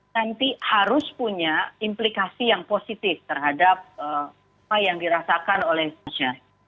nanti harus punya implikasi yang positif terhadap apa yang dirasakan oleh share